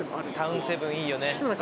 タウンセブンいいよね。